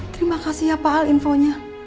terima kasih ya pak al infonya